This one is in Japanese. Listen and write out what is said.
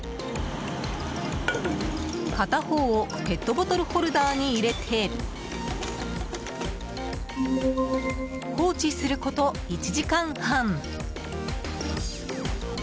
片方をペットボトルホルダーに入れて、放置すること１時間半。